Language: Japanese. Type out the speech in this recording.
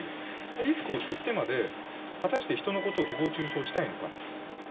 リスクをしょってまで、果たして人のことをひぼう中傷したいのか。